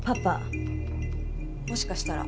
もしかしたら。